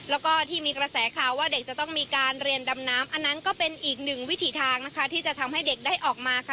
แล้วก็ที่มีกระแสข่าวว่าเด็กจะต้องมีการเรียนดำน้ำอันนั้นก็เป็นอีกหนึ่งวิถีทางนะคะที่จะทำให้เด็กได้ออกมาค่ะ